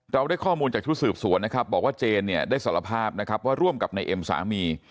เราได้ข้อมูลจากชุดสืบสวนบอกว่าเจนได้สารภาพว่าร่วมกับนายเอ็มสามี